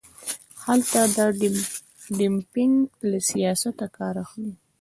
هلته د ډمپینګ له سیاسته کار اخلي.